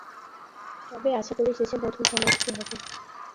তবে আশা করি শেষে মধুর সমাপ্তি হবে।